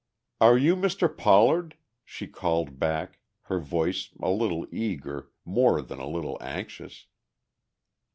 "Are you Mr. Pollard?" she called back, her voice a little eager, more than a little anxious.